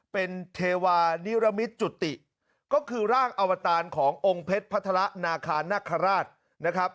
เป็นเทวานิรมิตจุติก็คือร่างอวตารขององค์เพชรพัฒระนาคารนคราชนะครับ